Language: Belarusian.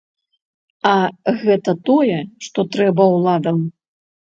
А гэта тое, што трэба ўладам.